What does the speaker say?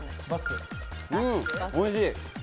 おいしい。